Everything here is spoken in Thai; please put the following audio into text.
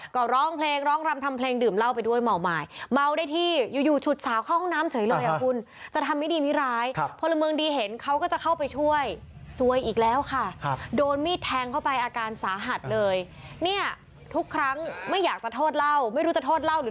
ก็ร้องเพลงร้องรำ